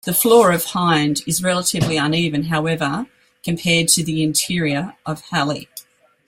The floor of Hind is relatively uneven, however, compared to the interior of Halley.